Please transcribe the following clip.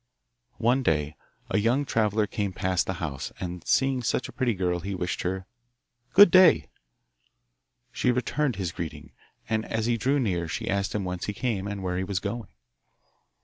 One day a young traveller came past the house, and seeing such a pretty girl he wished her 'Good day.' She returned his greeting, and as he drew near she asked him whence he came and where he was going.